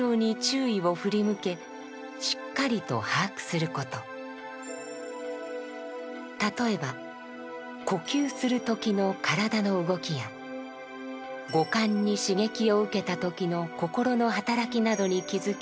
「念処」とは例えば呼吸する時の身体の動きや五感に刺激を受けた時の心の働きなどに気づき観察します。